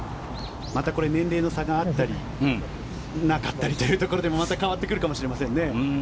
またこれ、年齢の差があったりなかったりというところでもまた変わってくるかもしれませんね。